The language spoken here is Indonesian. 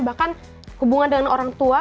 bahkan hubungan dengan orang tua